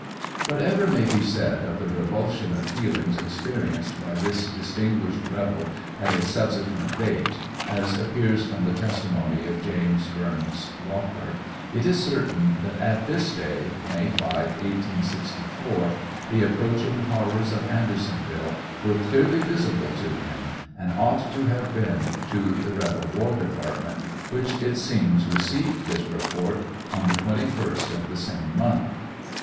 Whatever may be said of the revulsion of feelings experienced by this dis tinguished rebel at a subsequent date, as appears from the testimony of James Bumes Walker, it is certain that at this day, May 5, 1864, the approachmg horrors of Andersonvillc were clearly visible to him and ought to have been to 740 TEIAL OF HKNRY WIEZ. the rebel war department, which it seems receivq^ this report on the 21st of the same month.